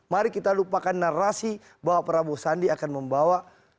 mari kita lupakan narasi bahwa prabowo sandi akan membawa